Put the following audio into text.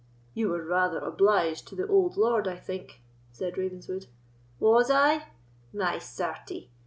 "You were rather obliged to the old lord, I think," said Ravenswood. "Was I? my sartie!